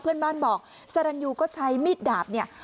เพื่อนบ้านบอกสรรยูก็ใช้มีดดาบเนี่ย